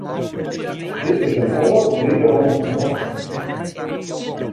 Dit is in âld Nederlânsk ras.